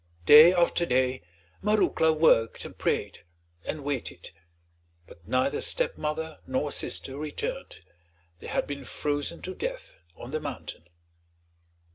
Day after day Marouckla worked and prayed, and waited; but neither stepmother nor sister returned, they had been frozen to death on the mountain.